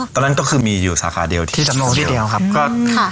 ตอนนั้นก็คือมีอยู่สาขาเดียวที่สำโรงที่เดียวครับก็ค่ะ